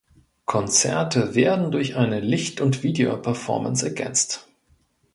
Konzerte werden durch eine Licht- und Video-Performance ergänzt.